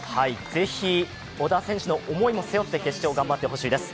是非、小田選手の思いも背負って頑張ってほしいです。